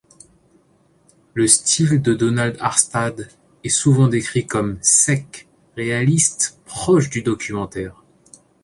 Le style de Donald Harstad est souvent décrit comme sec, réaliste, proche du documentaire.